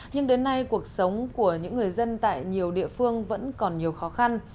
nhưng đến nay cuộc sống của những người dân tại nhiều địa phương vẫn còn nhiều khó khăn